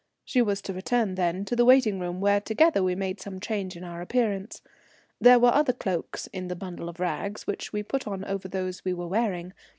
She was to return then to the waiting room, where together we made some change in our appearance. There were other cloaks in the bundle of rugs, which we put on over those we were wearing.